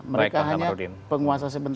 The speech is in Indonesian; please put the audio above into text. mereka hanya penguasa sementara